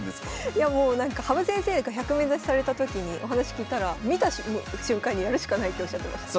いやもう羽生先生が１００面指しされた時にお話聞いたら見た瞬間にやるしかないっておっしゃってました。